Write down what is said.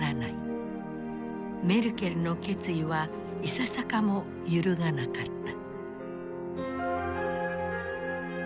メルケルの決意はいささかも揺るがなかった。